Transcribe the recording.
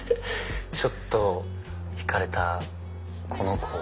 ちょっと引かれたこの子を。